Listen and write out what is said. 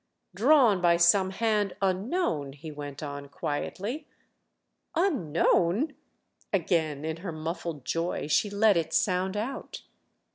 "Drawn by some hand unknown," he went on quietly. "Unknown?"—again, in her muffled joy, she let it sound out.